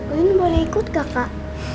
uin boleh ikut kakak